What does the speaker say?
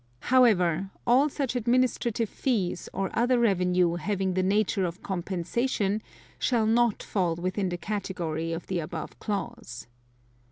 (2) However, all such administrative fees or other revenue having the nature of compensation shall not fall within the category of the above clause.